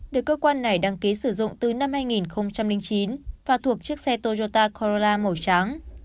được cơ quan này đăng ký sử dụng từ năm hai nghìn chín và thuộc chiếc xe toyota corra màu trắng